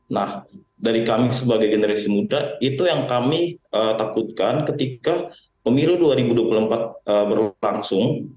nah dari kami sebagai generasi muda itu yang kami takutkan ketika pemilu dua ribu dua puluh empat berlangsung